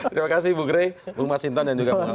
terima kasih bu grey bu mas hinton dan juga bu angkatan